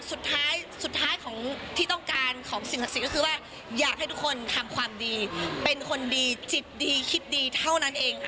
สุดท้ายสุดท้ายของที่ต้องการของสิ่งศักดิ์สิทธิ์ก็คือว่าอยากให้ทุกคนทำความดีเป็นคนดีจิตดีคิดดีเท่านั้นเองค่ะ